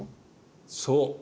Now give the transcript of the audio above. そう。